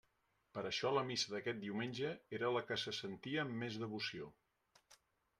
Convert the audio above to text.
Per això la missa d'aquest diumenge era la que se sentia amb més devoció.